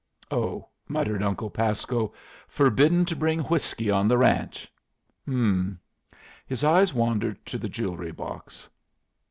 "Oh," muttered Uncle Pasco. "Forbidden to bring whiskey on the ranch? H'm." His eyes wandered to the jewelry box.